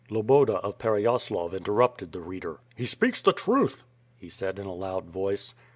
Loboda of Pereyaslav interrupted the reader: "He speaks the truth," he said in a loud voice.